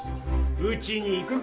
打ちに行くか？